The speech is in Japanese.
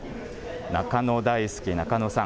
中野大好きナカノさん。